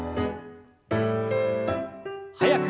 速く。